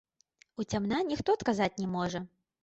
Уцямна ніхто адказаць не можа.